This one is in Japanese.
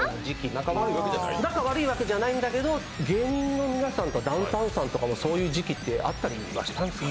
仲悪いわけじゃないんだけど芸人の皆さんとかダウンタウンさんとかもそういう時期ってあったりはしたんですか？